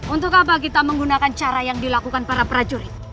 untuk apa kita menggunakan cara yang dilakukan para prajurit